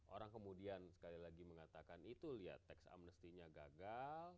orang kemudian sekali lagi mengatakan itu liat tax amnestinya gagal